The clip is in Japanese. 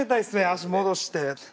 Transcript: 足戻して。